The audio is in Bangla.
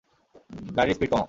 গাড়ির স্পিড কমাও।